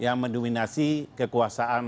yang mendominasi kekuasaan kekuasaan dan kekuasaan